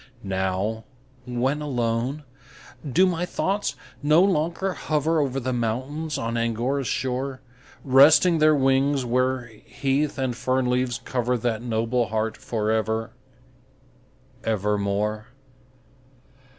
Now, when alone, do my thoughts no longer hover Over the mountains on Angora's shore, Resting their wings, where heath and fern leaves cover That noble heart for ever, ever more?